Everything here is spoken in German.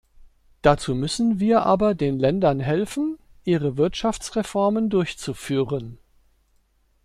Dazu müssen wir aber den Ländern helfen, ihre Wirtschaftsreformen durchzuführen.